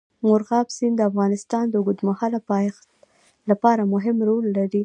مورغاب سیند د افغانستان د اوږدمهاله پایښت لپاره مهم رول لري.